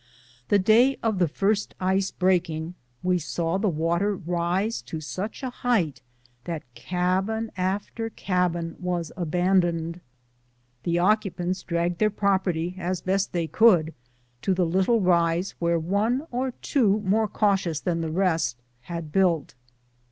The day of the first ice breaking we saw the water rise to such a height that cabin after cabin w^as abandoned. The occupants dragged their property as best they could to the little rise wdiere one or two, more cautious than the rest, had built.